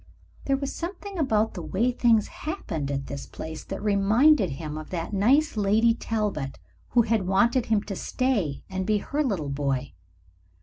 There was something about the way things happened at this place that reminded him of that nice Lady Talbot who had wanted him to stay and be her little boy.